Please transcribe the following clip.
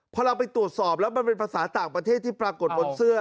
พอเราไปตรวจสอบแล้วมันเป็นภาษาต่างประเทศที่ปรากฏบนเสื้อ